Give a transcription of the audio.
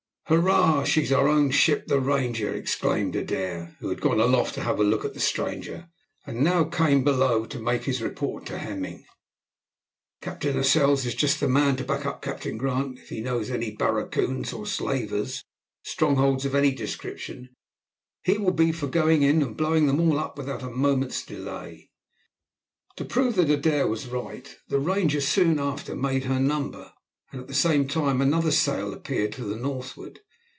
"Hurrah! she's our own ship the Ranger," exclaimed Adair, who had gone aloft to have a look at the stranger, and now came below to make his report to Hemming; "Captain Lascelles is just the man to back up Captain Grant; if he knows of any barracoons or slavers' strongholds of any description, he will be for going in and blowing them all up without a moment's delay." To prove that Adair was right, the Ranger soon after made her number, and at the same time another sail appeared to the northward.